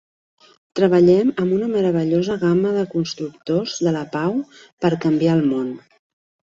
Treballem amb una meravellosa gamma de constructors de la pau per canviar el món.